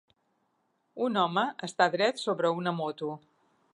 Un home està dret sobre una moto.